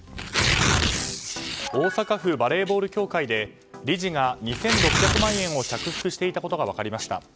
大阪府バレーボール協会で理事が２６００万円を着服していたことが分かりました。